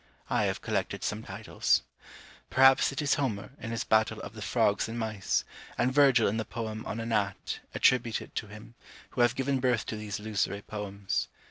I have collected some titles. Perhaps it is Homer, in his battle of the Frogs and Mice, and Virgil in the poem on a Gnat, attributed to him, who have given birth to these lusory poems.